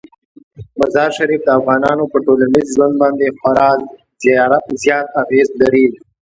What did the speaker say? مزارشریف د افغانانو په ټولنیز ژوند باندې خورا زیات اغېز لري.